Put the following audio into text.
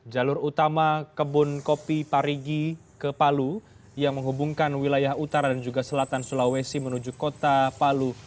jalur utama kebun kopi parigi ke palu yang menghubungkan wilayah utara dan juga selatan sulawesi menuju kota palu